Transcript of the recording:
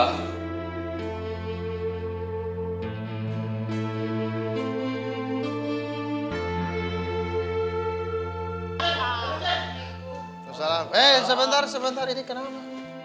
eh sebentar sebentar ini kenapa